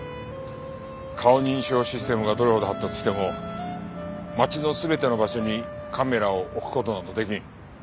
顔認証システムがどれほど発達しても街の全ての場所にカメラを置く事など出来ん。